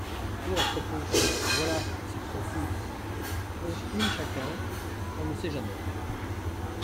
Oh à propos, voilà c’est pour vous, une chacun, on ne sait jamais.